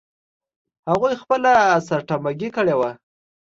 هغوی خپله سرټمبه ګي کړې وه.